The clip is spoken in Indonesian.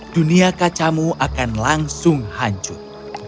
dunia kacamu akan langsung hancur